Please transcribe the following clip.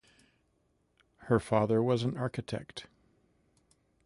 Her father was an architect.